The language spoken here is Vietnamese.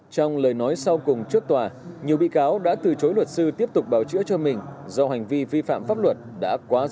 trong lời nói sau cùng trước tòa nhiều bị cáo đã từ chối luật sư tiếp tục bảo chữa cho mình do hành vi vi phạm pháp luật đã quá rõ ràng